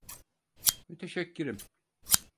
Müteşekkirim.